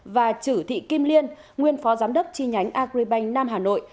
và chử thị kim liên nguyên phó giám đốc chi nhánh agribank nam hà nội